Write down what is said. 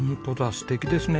すてきですね。